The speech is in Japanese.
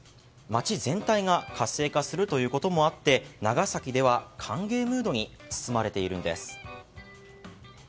街全体が活性化するということもあって長崎では歓迎ムードに包まれているんです。